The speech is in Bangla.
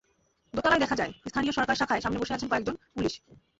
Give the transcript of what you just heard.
দোতালায় দেখা যায়, স্থানীয় সরকার শাখার সামনে বসে আছেন কয়েকজন পুলিশ।